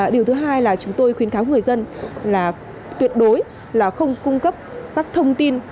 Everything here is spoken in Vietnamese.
điều thứ hai là chúng tôi khuyến cáo người dân là tuyệt đối là không cung cấp các thông tin